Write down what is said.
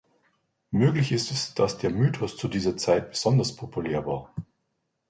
Möglich ist es, dass der Mythos zu dieser Zeit besonders populär war.